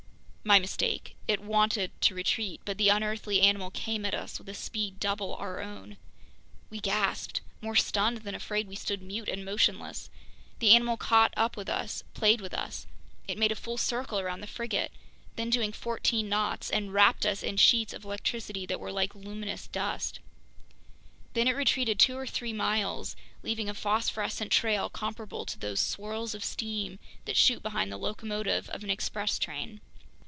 My mistake. It wanted to retreat, but the unearthly animal came at us with a speed double our own. We gasped. More stunned than afraid, we stood mute and motionless. The animal caught up with us, played with us. It made a full circle around the frigate—then doing fourteen knots—and wrapped us in sheets of electricity that were like luminous dust. Then it retreated two or three miles, leaving a phosphorescent trail comparable to those swirls of steam that shoot behind the locomotive of an express train.